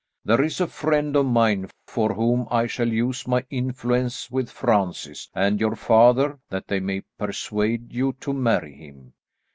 There is a friend of mine for whom I shall use my influence with Francis and your father that they may persuade you to marry him.